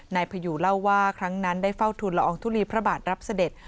นายพยูเล่าว่าครั้งนั้นได้เฝ้าทุนละอองทุลีพระบาทรับเสด็จ